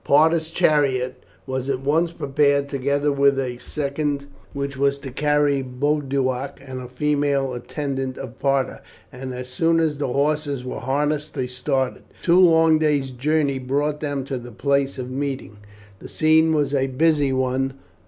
Parta's chariot was at once prepared, together with a second, which was to carry Boduoc and a female attendant of Parta, and as soon as the horses were harnessed they started. Two long days' journey brought them to the place of meeting. The scene was a busy one.